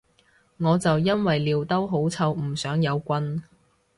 我就因為尿兜好臭唔想有棍